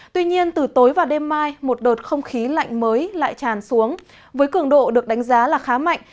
tuy nhiên từ tối và đêm mai một đợt không khí lạnh mới lại tràn xuống với cường độ được đánh giá là khá mạnh